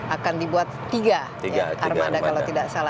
akan dibuat tiga armada kalau tidak salah